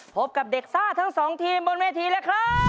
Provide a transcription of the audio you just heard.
พบกับเด็กซ่าทั้งสองทีมบนเวทีแล้วครับ